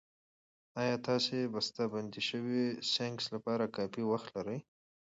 ایا تاسو د بستهبندي شويو سنکس لپاره کافي وخت لرئ؟